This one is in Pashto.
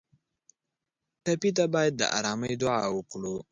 ټپي ته باید د ارامۍ دعا وکړو.